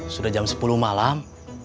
sudah jam sepuluh malam